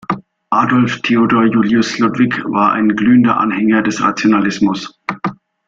Adolf Theodor Julius Ludwig war ein glühender Anhänger des Rationalismus.